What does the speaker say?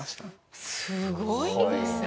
すごいですね。